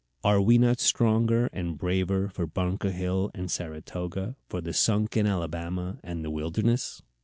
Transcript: Are we not stronger and braver for Bunker Hill and Saratoga, for the sunken Alabama and the Wilderness?